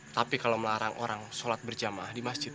tapi kalau melarang orang sholat berjamaah di masjid